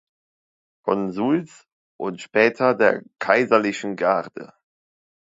Konsuls und später der kaiserlichen Garde.